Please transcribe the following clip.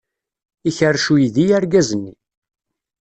Ikerrec uydi argaz-nni.